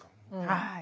はい。